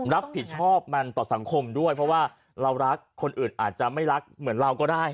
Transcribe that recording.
รับผิดชอบมันต่อสังคมด้วยเพราะว่าเรารักคนอื่นอาจจะไม่รักเหมือนเราก็ได้